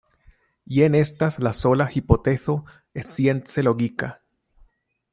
Jen estas la sola hipotezo science logika.